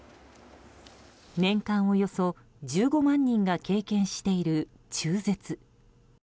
年間およそ１５万人が経験している中絶。